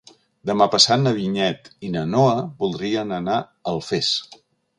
Demà passat na Vinyet i na Noa voldrien anar a Alfés.